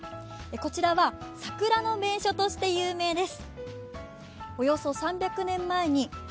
こちらは桜の名所として有名です。